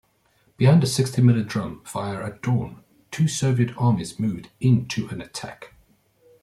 Behind a sixty-minute drum fire at dawn, two Soviet armies moved into an attack.